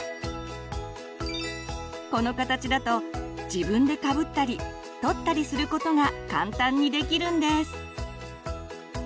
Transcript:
この形だと自分でかぶったり取ったりすることが簡単にできるんです。